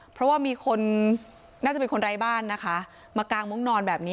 เพราะว่าน่าจะมีคนรายบ้านมากางตารมุ้งนอน